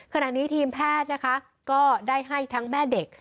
ขณะนี้ทีมแพทย์นะคะก็ได้ให้ทั้งแม่เด็ก